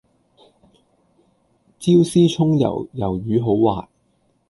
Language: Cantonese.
椒絲蔥油魷魚好滑